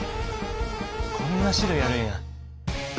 こんな種類あるんや。